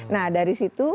nah dari situ